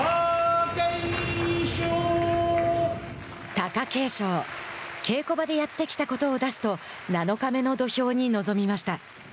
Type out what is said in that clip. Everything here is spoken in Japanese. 貴景勝、稽古場でやってきたことを出すと７日目の土俵に臨みました。